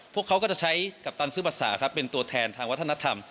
พวกเขาก็จะใช้กัปตันซึบัสซ่าเป็นตัวแทนทางวัฒนธรรม